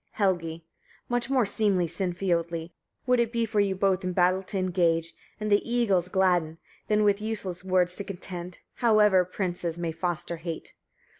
Helgi. 44. "Much more seemly, Sinfiotli! would it be for you both in battle to engage, and the eagles gladden, than with useless words to contend, however princes may foster hate.